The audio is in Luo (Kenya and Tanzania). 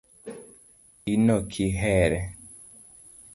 inokihere?